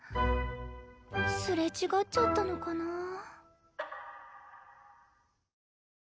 すれ違っちゃったのかなぁ。